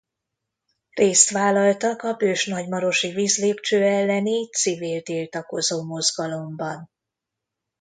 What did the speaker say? Részt vállaltak a Bős-nagymarosi vízlépcső elleni civil tiltakozó mozgalomban.